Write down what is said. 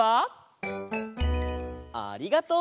ありがとう。